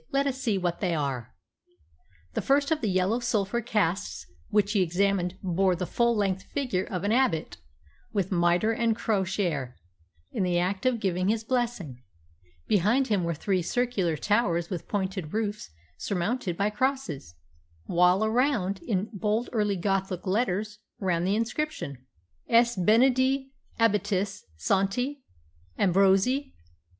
"Let us see what they are." The first of the yellow sulphur casts which he examined bore the full length figure of an abbot, with mitre and crosier, in the act of giving his blessing. Behind him were three circular towers with pointed roofs surmounted by crosses, while around, in bold early Gothic letters, ran the inscription + S. BENEDITI . ABBATIS . SANTI . AMBROSII